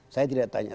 saya tidak tanya